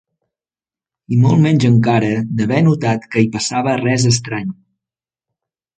I molt menys encara d'haver notat que hi passava res estrany.